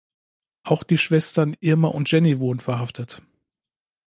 Auch die Schwestern Irma und Jenny wurden verhaftet.